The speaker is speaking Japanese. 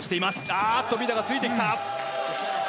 あーっと、ビダが突いてきた。